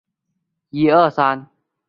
心里也是心疼